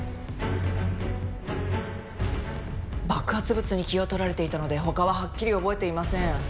爆発物に気を取られていたので他ははっきり覚えていません。